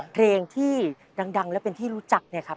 เพลงที่ดังและเป็นที่รู้จักเนี่ยครับ